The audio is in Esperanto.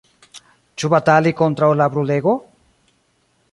Ĉu batali kontraŭ la brulego?